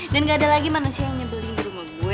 dan gak ada lagi manusia yang nyebelin di rumah gue